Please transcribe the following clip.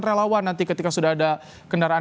relawan nanti ketika sudah ada kendaraan